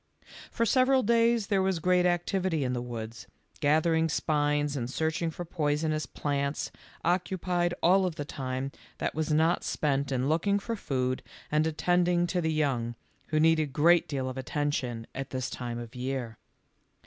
For several days there was great activity in the woods ; gathering spines and searching for poisonous plants occupied all of the time that was not spent in looking for food and at tending to the young, who need a great deal of attention at this time of year.